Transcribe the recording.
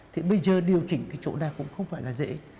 thế bây giờ điều chỉnh cái chỗ này cũng không phải là dễ